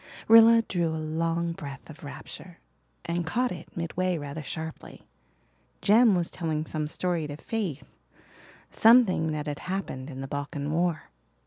Rilla drew a long breath of rapture and caught it midway rather sharply. Jem was telling some story to Faith something that had happened in the Balkan War.